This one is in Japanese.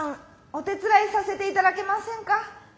お手伝いさせていただけませんか？